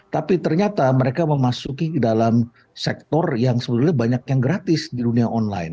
tapi ternyata mereka memasuki dalam sektor yang sebenarnya banyak yang gratis di dunia online